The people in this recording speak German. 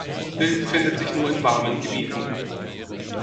Wild findet es sich nur in warmen Gebieten.